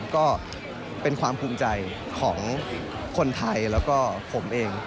ก็เป็นความภูมิใจของคนไทยแล้วก็ผมเอง